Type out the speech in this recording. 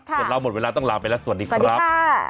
ส่วนเราหมดเวลาต้องลาไปแล้วสวัสดีครับ